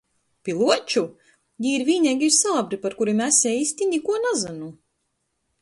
Pi Luoču??? Jī ir vīneigī sābri, par kurim es eisti nikuo nazynu...